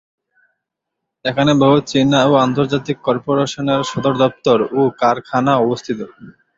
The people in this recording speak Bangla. এখানে বহু চীনা ও আন্তর্জাতিক কর্পোরেশনের সদর দপ্তর ও কারখানা অবস্থিত।